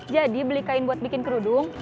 jadi beli kain buat bikin kerudung